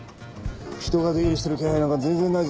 人が出入りしてる気配なんか全然ないぞ。